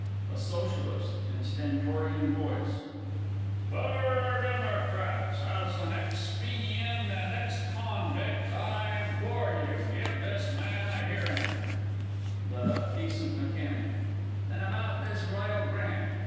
A SOCIALIST (in a stentorian voice). Feller Demmercrats, as an ex Fenian and an ex Convict, I implore you give this man a hearin'! THE D. M. Then about this Royal Grant.